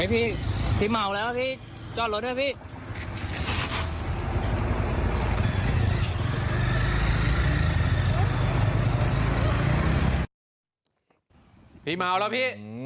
พี่เมาแล้วพี่จอดรถด้วยพี่